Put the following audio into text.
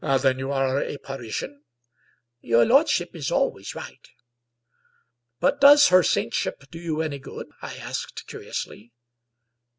" Then you are a Parisian? "" Your lordship is always right." " But does her saintship do you any good? " I asked curiously.